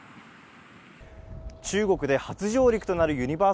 中国で初上陸となるユニバー